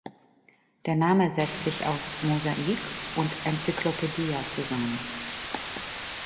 Der Name setzt sich aus "Mosaik" und "Encyclopedia" zusammen.